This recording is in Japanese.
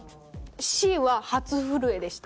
Ｃは初震えでした。